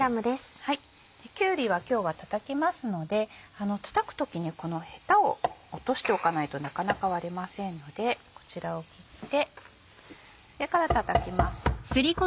きゅうりは今日はたたきますのでたたく時にこのヘタを落としておかないとなかなか割れませんのでこちらを切ってそれからたたきます。